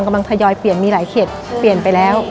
กำลังทยอยเปลี่ยนมีหลายเขตเปลี่ยนไปแล้ว